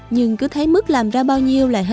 nhưng cứ thấy mức làm ra bao nhiêu